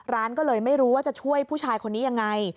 ร้านก็เลยไม่รู้ว่าจะช่วยผู้ชายคนนี้ยังไง